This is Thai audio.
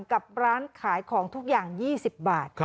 กับร้านขายของทุกอย่าง๒๐บาท